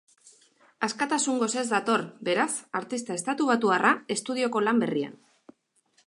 Askatasun gosez dator, beraz, artista estatubatuarra estudioko lan berrian.